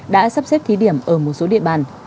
đã sắp xếp thí điểm ở một số địa bàn